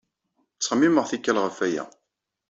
Ttxemmimeɣ tikkal ɣef waya.